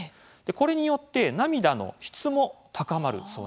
これによって、涙の質も高まるそうなんです。